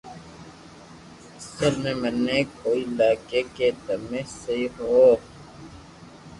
اسل مي مني ڪوئي لاگي ڪي تمي سھو ھون